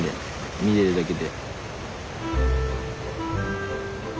見てるだけで。